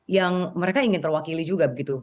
yang mereka ingin terwakili juga begitu